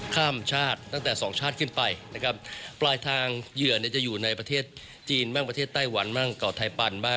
กำลักเหยื่อในประเทศไทย